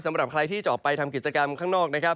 สำหรับใครที่จะออกไปทำกิจกรรมข้างนอกนะครับ